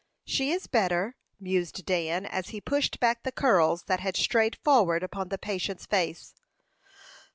"She is better," mused Dan, as he pushed back the curls that had strayed forward upon the patient's face.